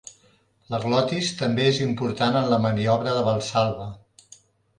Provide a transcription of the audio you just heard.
La glotis també és important en la maniobra de Valsalva.